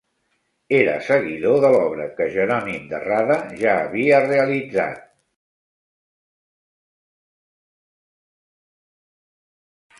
Era seguidor de l'obra que Jeronim De Rada ja havia realitzat.